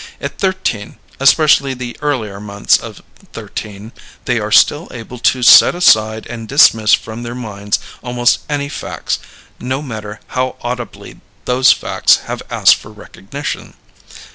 At thirteen especially the earlier months of thirteen they are still able to set aside and dismiss from their minds almost any facts, no matter how audibly those facts have asked for recognition.